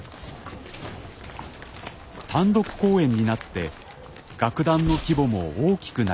単独公演になって楽団の規模も大きくなりました。